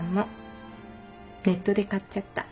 ネットで買っちゃった。